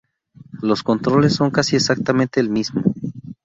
Los controles son casi exactamente el mismo.